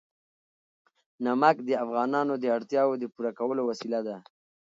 نمک د افغانانو د اړتیاوو د پوره کولو وسیله ده.